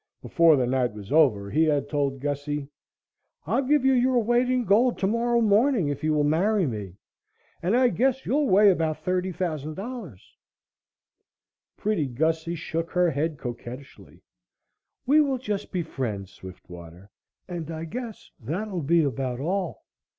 Before the night was over he had told Gussie "I'll give you your weight in gold tomorrow morning if you will marry me and I guess you'll weigh about $30,000." Pretty Gussie shook her head coquettishly. "We will just be friends, Swiftwater, and I guess that'll be about all."